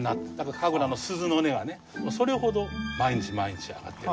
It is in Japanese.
神楽の鈴の音はねそれほど毎日毎日上がってる。